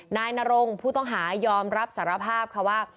นายนรงผู้ต้องหายอมรับสารภาพค่ะว่า